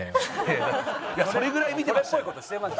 いやだってそれぐらい見てましたよ。